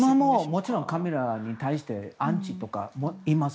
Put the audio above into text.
もちろん今もカミラに対してアンチとかいます。